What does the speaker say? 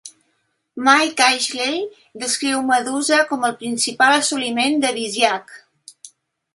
Mike Ashley descriu "Medusa" com el "principal assoliment" de Visiak.